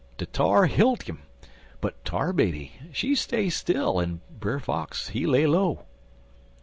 De tar hilt 'im. But Tar Baby, she stay still, en Brer Fox, he lay low.